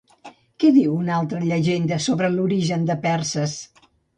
Què diu una altra llegenda sobre l'origen de Perses?